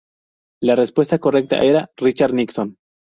La respuesta correcta era Richard Nixon.